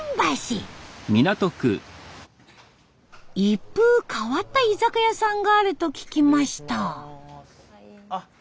一風変わった居酒屋さんがあると聞きました。